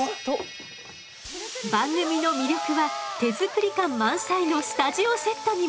番組の魅力は手作り感満載のスタジオセットにも。